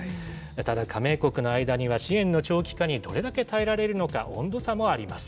ただ、加盟国の間には支援の長期化にどれだけ耐えられるのか、温度差もあります。